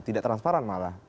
tidak transparan malah